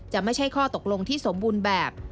ไม่ใช่ข้อตกลงที่สมบูรณ์แบบ